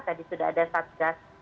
tadi sudah ada satgas